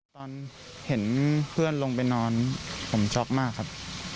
ตอนเห็นเพื่อนลงไปนอนผมช็อกมากครับ